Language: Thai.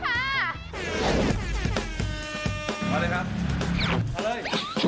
มาเลยครับมาเลย